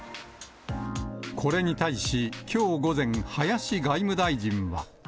これに対しきょう午前、林外務大臣は。